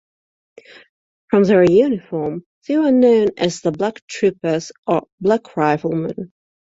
From their uniform, they were known as the "Black Troopers" or "Black Riflemen".